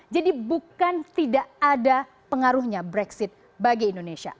jadi bukan tidak ada pengaruhnya brexit bagi indonesia